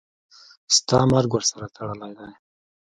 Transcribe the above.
ستا مرګ ورسره تړلی دی.